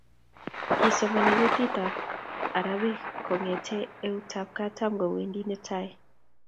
Kisomani kutitab arabik kongete eutab katam kowendi netai